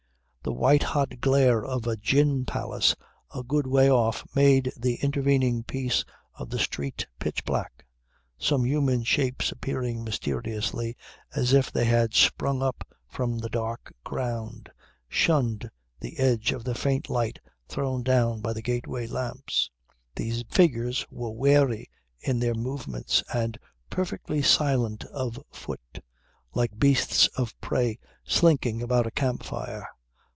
The white hot glare of a gin palace a good way off made the intervening piece of the street pitch black. Some human shapes appearing mysteriously, as if they had sprung up from the dark ground, shunned the edge of the faint light thrown down by the gateway lamps. These figures were wary in their movements and perfectly silent of foot, like beasts of prey slinking about a camp fire.